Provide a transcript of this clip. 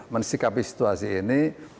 mensikapi situasi ini